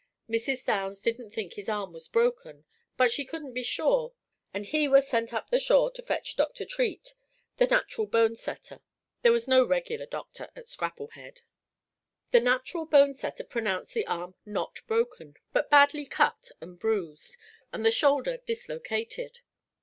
Mrs. Downs didn't think his arm was broken; but she couldn't be sure, and "he" was sent up the shore to fetch Dr. Treat, the "natural bone setter." There was no regular doctor at Scrapplehead. The natural bone setter pronounced the arm not broken, but badly cut and bruised, and the shoulder dislocated.